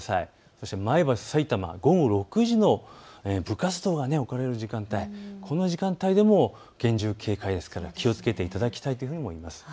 そして前橋、さいたま、午後６時の部活動が行われる時間帯、この時間帯でも厳重警戒ですから気をつけていただきたいと思います。